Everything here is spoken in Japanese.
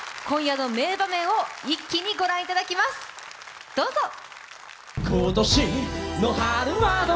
今夜の名場面を一気に御覧いただきます、どうぞ。